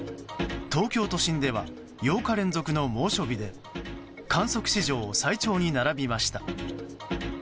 東京都心では８日連続の猛暑日で観測史上最長に並びました。